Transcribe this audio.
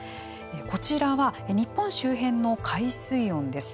こちらは日本周辺の海水温です。